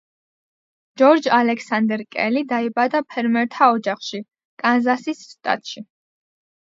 ჯორჯ ალექსანდერ კელი დაიბადა ფერმერთა ოჯახში, კანზასის შტატში.